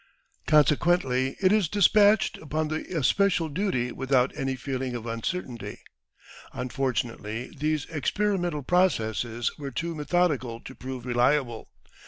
Consequently it is dispatched upon the especial duty without any feeling of uncertainty. Unfortunately, these experimental processes were too methodical to prove reliable.